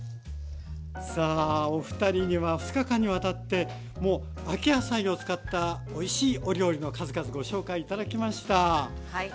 さあお二人には２日間にわたってもう秋野菜を使ったおいしいお料理の数々ご紹介頂きましたはい。